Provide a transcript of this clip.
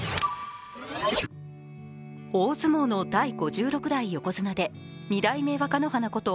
大相撲の第５６代横綱で２代目・若乃花こと